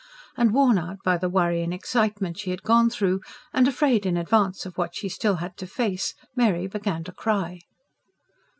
And, worn out by the worry and excitement she had gone through, and afraid, in advance, of what she had still to face, Mary began to cry.